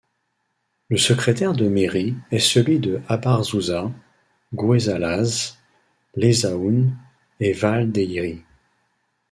Le secrétaire de mairie est celui de Abárzuza, Guesálaz, Lezáun et Valle de Yerri.